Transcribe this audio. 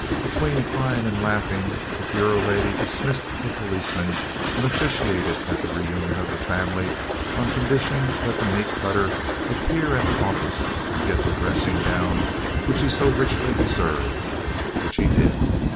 Between crying and laughing, "the Bureau lady" dismissed the policeman and officiated at the reunion of the family on condition that the meat cutter appear at the office and get the dressing down which he so richly deserved, which he did.